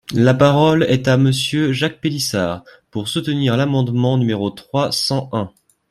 La parole est à Monsieur Jacques Pélissard, pour soutenir l’amendement numéro trois cent un.